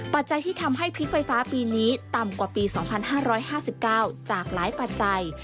ปัจจัยที่ทำให้พริกไฟฟ้าปีนี้ต่ำกว่าปี๒๕๕๙จากหลายปัจจัย